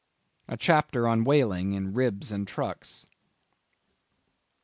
—A Chapter on Whaling in Ribs and Trucks.